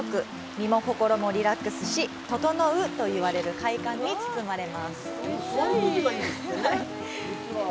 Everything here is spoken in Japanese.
身も心もリラックスしととのうといわれる快感に包まれます。